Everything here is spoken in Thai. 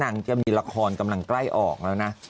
นางจะอันดีละครกำลังใกล้ออกแล้วน่ะ